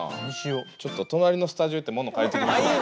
ちょっと隣のスタジオ行って物借りてきますわ。